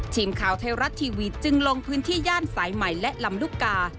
ทีมข่าวไทยรัฐทีวีจึงลงพื้นที่ย่านสายใหม่และลำลูกกา